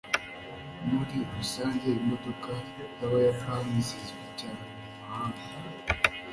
muri rusange, imodoka z'abayapani zizwi cyane mumahanga